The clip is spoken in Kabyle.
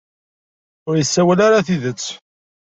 Ur isawal ara tidet.